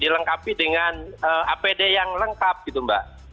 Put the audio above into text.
dilengkapi dengan apd yang lengkap gitu mbak